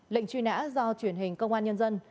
lệnh truy nã do truyền hình công an nhân dân